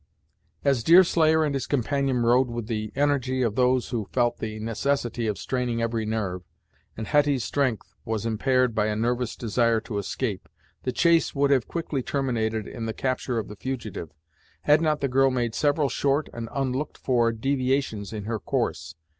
As Deerslayer and his companion rowed with the energy of those who felt the necessity of straining every nerve, and Hetty's strength was impaired by a nervous desire to escape, the chase would have quickly terminated in the capture of the fugitive, had not the girl made several short and unlooked for deviations in her course.